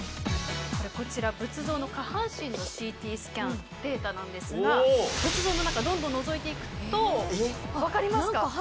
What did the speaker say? こちら仏像の下半身のＣＴスキャンデータなんですが仏像の中どんどんのぞいて行くと分かりますか？